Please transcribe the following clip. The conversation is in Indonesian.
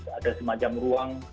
jadi ada semacam ruang